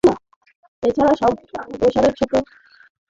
এছাড়া অবসরের ছোট খিদে মেটাতে নাড়ু কমবেশি সবার ঘরেই থাকে।